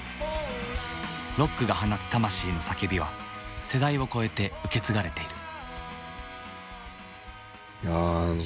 ロックが放つ魂の叫びは世代を超えて受け継がれている。